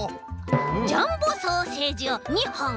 ジャンボソーセージを２ほん！